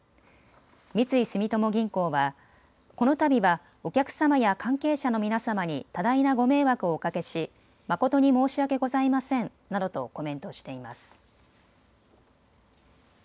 三井住友銀行はこのたびはお客様や関係者の皆様に多大なご迷惑をおかけし誠に申し訳ございませんなどとコメントしています。